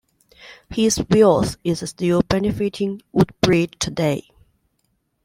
His wealth is still benefiting Woodbridge today.